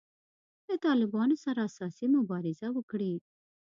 له طالبانو سره اساسي مبارزه وکړي.